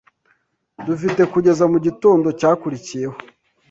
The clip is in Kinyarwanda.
dufite kugeza mu gitondo cyakurikiyeho